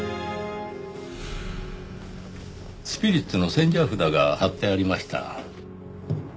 スピリッツの千社札が貼ってありました。